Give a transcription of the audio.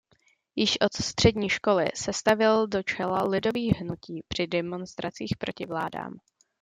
Již od střední školy se stavěl do čela lidových hnutí při demonstracích proti vládám.